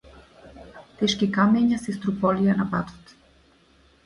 Тешки камења се струполија на патот.